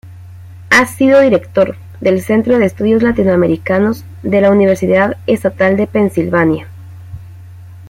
Ha sido director del centro de estudios latinoamericanos de la Universidad Estatal de Pensilvania.